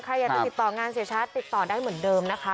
ใครอยากจะติดต่องานเสียชัดติดต่อได้เหมือนเดิมนะคะ